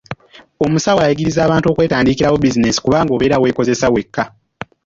Omusawo ayigiriza abantu okwetandikirawo bizinensi kubanga obeera weekozesa wekka.